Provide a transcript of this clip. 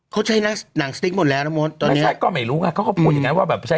เขาใช้หนังสติ๊กหมดแล้วนะมดไม่ใช่ก็ไม่รู้ไงเขาก็พูดอย่างงั้นว่าแบบใช้